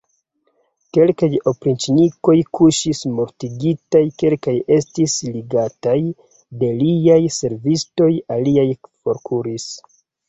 Kelkaj opriĉnikoj kuŝis mortigitaj, kelkaj estis ligataj de liaj servistoj, aliaj forkuris.